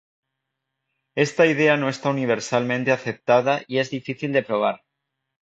Esta idea no está universalmente aceptada y es difícil de probar.